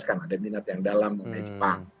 sudah di dalam kan ada minat yang dalam dari jepang